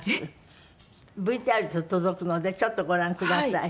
ＶＴＲ届くのでちょっとご覧ください。